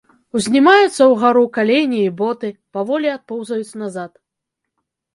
Узнімаюцца ўгару калені і боты, паволі адпоўзаюць назад.